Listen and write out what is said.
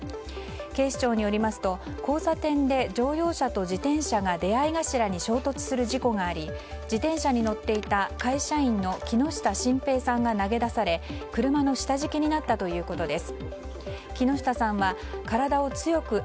警視庁によりますと交差点で乗用車と自転車が出合い頭に衝突する事故があり自転車に乗っていた会社員の木下晋平さんが投げ出され、車の下敷きになったということです。